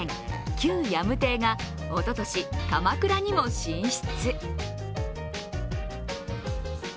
旧ヤム邸がおととし、鎌倉にも進出。